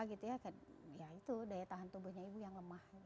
ya itu daya tahan tubuhnya ibu yang lemah